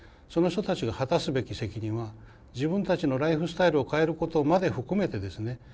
その人たちが果たすべき責任は自分たちのライフスタイルを変えることまで含めてですね